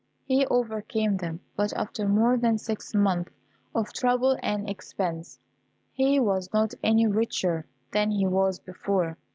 He overcame them, but after more than six months of trouble and expense, he was not any richer than he was before.